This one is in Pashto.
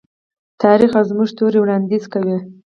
تاریخ او زموږ تیوري وړاندیز کوي.